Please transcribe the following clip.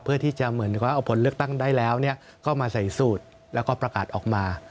เพื่อที่จะเหมือนกับว่าเอาผลเลือกตั้งได้แล้วก็มาใส่สูตรแล้วก็ประกาศออกมา